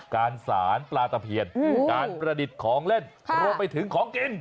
การสารปลาตะเพียนการประดิษฐ์ของเล่นรวมไปถึงของกิน